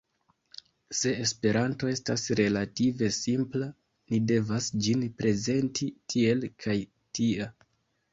Se Esperanto estas relative simpla, ni devas ĝin prezenti tiel kaj tia.